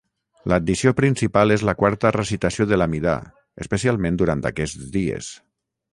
L'addició principal és la quarta recitació de l'Amidà especialment durant aquests dies.